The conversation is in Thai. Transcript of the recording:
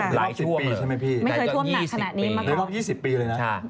หลายช่วมเลยไม่เคยช่วมหนักขนาดนี้เหนือออก๒๐ปีเลยนะ